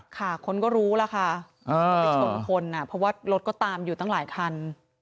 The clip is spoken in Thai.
ค่ะคนก็รู้ล่ะค่ะไปชนคนอ่ะเพราะว่ารถก็ตามอยู่ตั้งหลายคัน